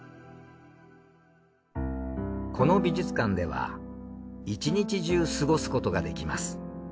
この美術館では一日中過ごすことができます。